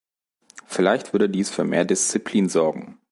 Vielleicht würde dies für mehr Disziplin sorgen.